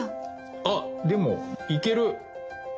あでも行ける！